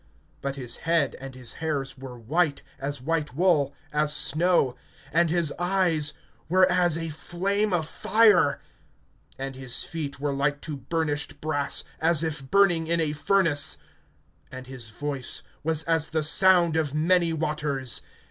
(14)But his head and his hairs were white, as white wool, as snow; and his eyes were as a flame of fire; (15)and his feet were like to burnished brass, as if burning in a furnace[1:15]; and his voice was as the sound of many waters.